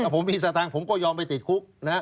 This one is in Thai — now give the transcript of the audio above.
ผมมีสตางค์ผมก็ยอมไปติดคุกนะฮะ